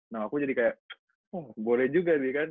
nah aku jadi kayak boleh juga nih kan